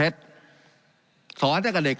การปรับปรุงทางพื้นฐานสนามบิน